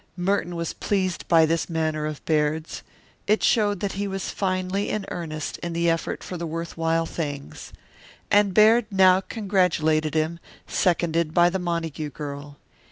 Merton was pleased by this manner of Baird's. It showed that he was finely in earnest in the effort for the worth while things. And Baird now congratulated him, seconded by the Montague girl.